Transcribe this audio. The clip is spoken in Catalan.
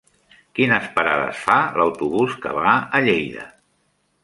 Quines parades fa l'autobús que va a Lleida?